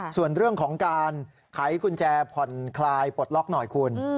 ส่วนเรื่องของการไขกุญแจผ่อนคลายปลดล็อกหน่อยคุณ